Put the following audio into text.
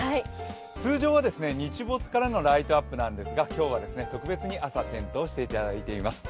通常は日没からのライトアップなんですが今日は特別に朝、点灯していただいています。